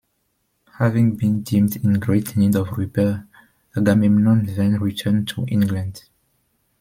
Having been deemed in great need of repair, "Agamemnon" then returned to England.